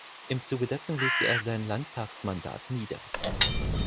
Im Zuge dessen legte er sein Landtagsmandat nieder.